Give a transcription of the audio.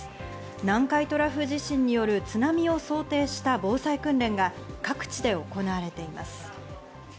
南海トラフ地震による津波を想定した防災訓練が各地で行われています。